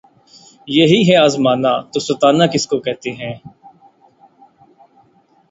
یہی ہے آزمانا‘ تو ستانا کس کو کہتے ہیں!